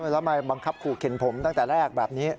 แล้วมาบังคับขู่เข็นผมตั้งแต่แรกแบบนี้